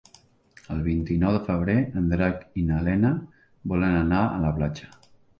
El vint-i-nou de febrer en Drac i na Lena volen anar a la platja.